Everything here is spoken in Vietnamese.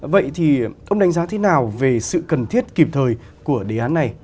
vậy thì ông đánh giá thế nào về sự cần thiết kịp thời của đề án này